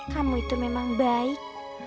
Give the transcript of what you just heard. kamu itu memang baik